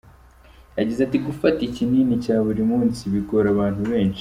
Yagize ati “Gufata ikinini cya buri munsi bigora abantu benshi.